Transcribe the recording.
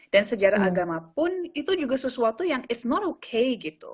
dan sejarah agama pun itu juga sesuatu yang tidak baik gitu